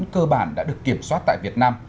cơ bản đã được kiểm soát tại việt nam